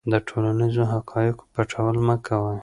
د ټولنیزو حقایقو پټول مه کوه.